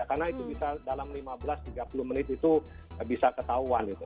karena itu bisa dalam lima belas tiga puluh menit itu bisa ketahuan gitu